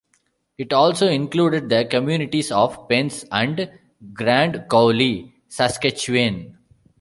It also included the communities of Pense and Grand Coulee, Saskatchewan.